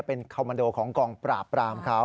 เป็นคอมมันโดของกองปราบปรามเขา